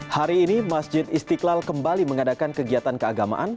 hari ini masjid istiqlal kembali mengadakan kegiatan keagamaan